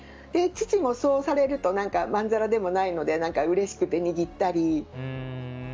父も、そうされるとまんざらでもないのでうれしくて握ったり。